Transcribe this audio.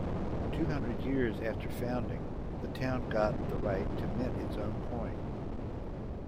Two hundred years after founding, the town got the right to mint its own coin.